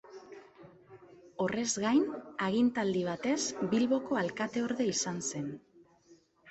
Horrez gain, agintaldi batez Bilboko alkateorde izan zen.